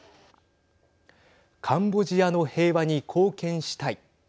カンボジアの平和に貢献したい。